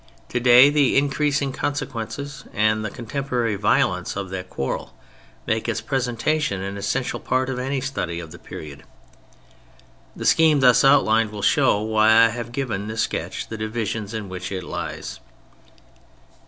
To day the increasing consequences and the con temporary violence of that quarrel make its presentation an essential part of any study of the period. The scheme thus outlined will show why I have given this sketch the divisions in which it lies.